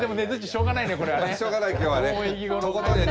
しょうがない今日はね。